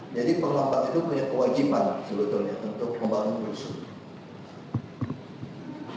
jadi perlambatan itu punya kewajiban sebetulnya untuk membangun rusuk